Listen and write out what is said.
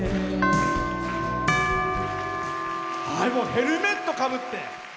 ヘルメットかぶって。